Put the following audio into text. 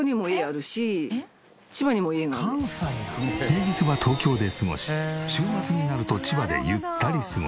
平日は東京で過ごし週末になると千葉でゆったり過ごす